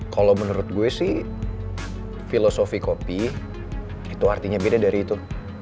kalau menurut gue sih filosofi kopi itu artinya beda dari itu